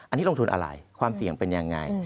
อันนี้ลงทุนอะไรความเสี่ยงเป็นยังไง